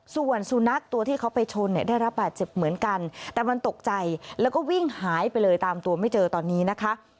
ส่วนสุนัขตัวที่เขาไปชนเนี่ยได้รับบาดเจ็บเหมือนกันแต่มันตกใจแล้วก็วิ่งหายไปเลยตามตัวไม่เจอตอนนี้นะคะ